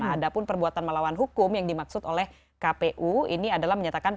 ada pun perbuatan melawan hukum yang dimaksud oleh kpu ini adalah menyatakan